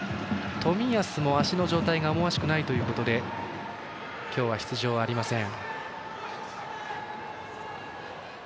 冨安も足の状態が思わしくないということで今日は出場ありません。